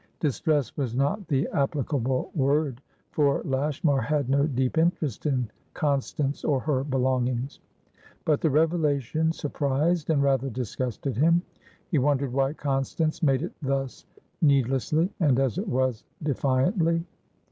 Distress was not the applicable word, for Lashmar had no deep interest in Constance or her belongings. But the revelation surprised and rather disgusted him. He wondered why Constance made it thus needlessly, and, as it was, defiantly.